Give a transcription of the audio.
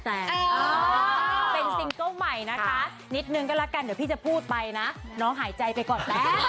แรงงบ่คะนิดนึงก็ละกันเราพูดไปนะเนาะหายใจไปก่อน